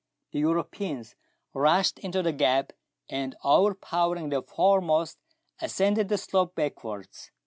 The Europeans rushed into the gap, and, overpowering the foremost, ascended the slope backwards.